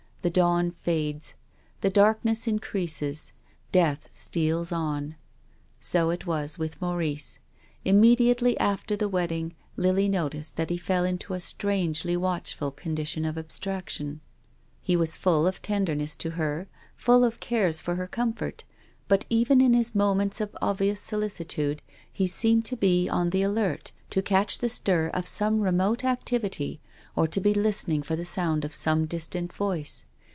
The dawn fades. The darkness increases, death steals on. So it was with Maurice. Immediately after the wedding, I.ily noticed that he fell into a strangely watchful condition of abstraction. He 225 226 TONGUES OF CONSCIENCE. ■was full of tenderness to her, full of cares for her comfort, but even in his moments of obvious solici tude he seemed to be on the alert to catch the stir of some remote activity, or to be listening for the sound of some distant voice.